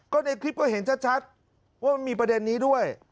ก็ในคลิปก็เห็นชัดว่ามันมีประเด็นนี้ด้วย